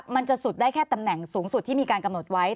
มันจะสุดได้แค่ตำแหน่งสูงสุดที่มีการกำหนดไว้